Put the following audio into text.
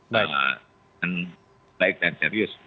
dengan baik dan serius